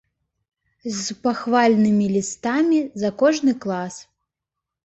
З пахвальнымі лістамі за кожны клас.